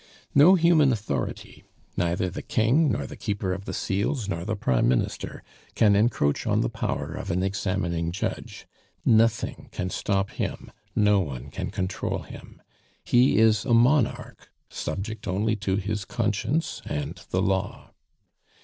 No human authority neither the King, nor the Keeper of the Seals, nor the Prime Minister, can encroach on the power of an examining judge; nothing can stop him, no one can control him. He is a monarch, subject only to his conscience and the Law.